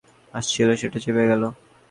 মধুসূদনের মুখে একটা জবাব আসছিল, সেটা চেপে গেল।